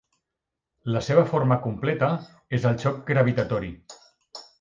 La seva forma completa és el xoc gravitatori.